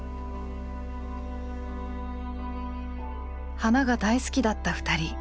花が大好きだった２人。